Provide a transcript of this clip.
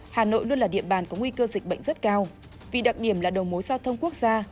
hà nội luôn là địa bàn có nguy cơ dịch bệnh rất cao vì đặc điểm là đầu mối giao thông quốc gia